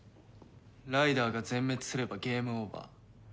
ライダーが全滅すればゲームオーバー。